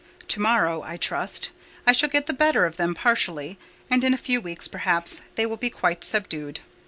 To morrow, I trust, I shall get the better of them partially; and in a few weeks, perhaps, they will be quite subdued.